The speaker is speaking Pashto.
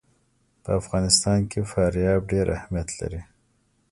په افغانستان کې فاریاب ډېر اهمیت لري.